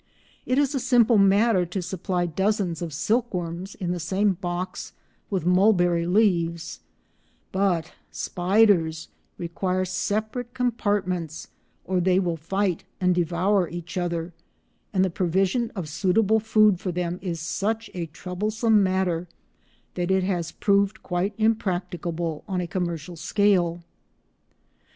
It is a simple matter to supply dozens of silkworms in the same box with mulberry leaves, but spiders require separate compartments or they will fight and devour each other, and the provision of suitable food for them is such a troublesome matter that it has proved quite impracticable on a commercial scale.